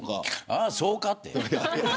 ああ、そうかって。